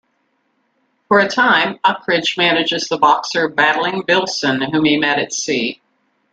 For a time Ukridge manages the boxer "Battling" Billson, whom he met at sea.